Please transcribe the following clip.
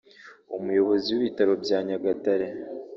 Umuyobozi w’Ibitaro bya Nyagatare